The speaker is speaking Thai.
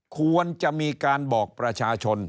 ควรจะมีการบอกประชาชน